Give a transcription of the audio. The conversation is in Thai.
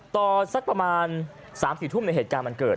สักประมาณ๓๔ทุ่มในเหตุการณ์มันเกิด